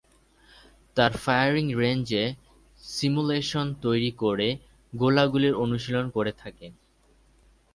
তারা ফায়ারিং রেঞ্জে সিমুলেশন তৈরি করে গোলাগুলির অনুশীলন করে থাকে।